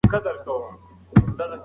د مشتري شاوخوا نیمه سپوږمۍ موندل شوې ده.